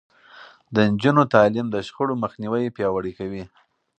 د نجونو تعليم د شخړو مخنيوی پياوړی کوي.